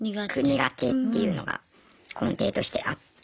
苦手っていうのが根底としてあって。